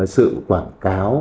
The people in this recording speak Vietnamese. sự quảng cáo